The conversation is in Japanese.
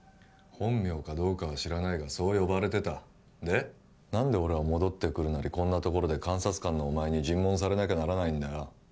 本名かどうかは知らないがそう呼ばれてたで何で俺は戻ってくるなりこんなところで監察官のお前に尋問されなきゃならないんだよ